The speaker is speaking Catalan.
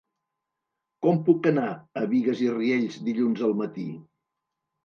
Com puc anar a Bigues i Riells dilluns al matí?